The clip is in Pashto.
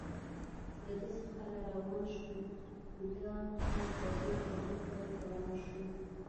له ده څخه را روان شوم، د او فرید په لور ور روان شوم.